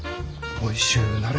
おいしゅうなれ。